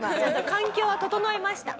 環境は整いました。